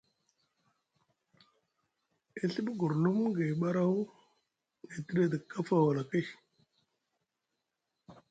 E Ɵibi gurlum gay ɓaraw na tiɗi edi kafa wala kay.